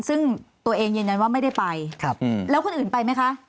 ซึ่งตัวเองยืนยันว่าไม่ได้ไปแล้วคนอื่นไปไหมคะ